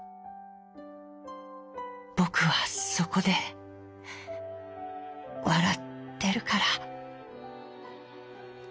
ぼくはそこでわらってるから」。